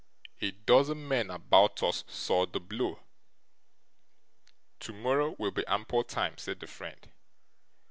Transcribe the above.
'A dozen men about us saw the blow.' 'Tomorrow will be ample time,' said the friend.